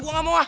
gue gak mau ah